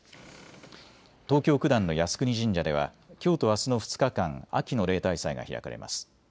東京九段の靖国神社ではきょうとあすの２日間、秋の例大祭が開かれます。